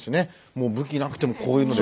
もう武器なくてもこういうので。